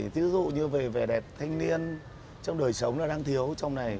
thí dụ như về vẻ đẹp thanh niên trong đời sống nó đang thiếu trong này